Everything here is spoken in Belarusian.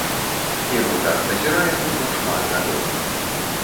І мы так назіраем ужо шмат гадоў.